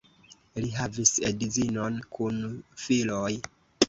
Li havis edzinon kun filoj.